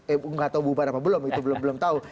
enggak tahu bubar apa belum itu belum tahu